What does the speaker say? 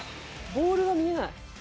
ボールが見えない」